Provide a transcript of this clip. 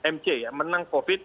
mc ya menang covid